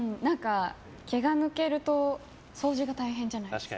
毛が抜けると掃除が大変じゃないですか。